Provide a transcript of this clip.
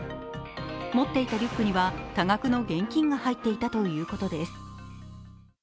持っていたリュックには多額の現金が入っていたということです。